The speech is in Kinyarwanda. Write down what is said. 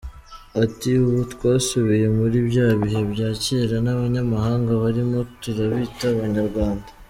Ati “ Ubu twasubiye muri bya bihe bya cyera n’abanyamahanga barimo turabita Abanyarwanda.